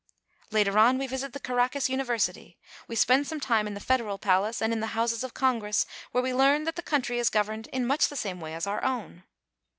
Later on we visit the Caracas Univer sity. We spend some time in the Federal Palace, and also in the Houses of Congress, where we learn that the coun try is governed in much the same way as our own.